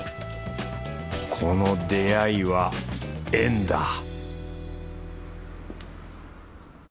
この出会いは縁だ